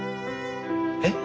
えっ？